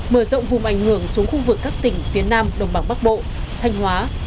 mở rộng vùng ảnh hưởng xuống khu vực các tỉnh phía nam đồng bằng bắc bộ thanh hóa